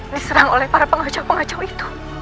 diserang oleh para pengacau pengacau itu